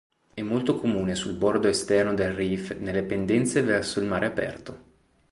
È molto comune sul bordo esterno del reef nelle pendenze verso il mare aperto.